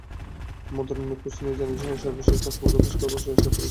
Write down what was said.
মন্ত্রণালয়ে খোঁজ নিয়ে জানা যায়, সর্বশেষ প্রশ্নপত্র ফাঁসের খবর আসে ফরিদপুরের নগরকান্দা থেকে।